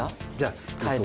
変えて。